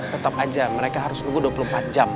tetap aja mereka harus nunggu dua puluh empat jam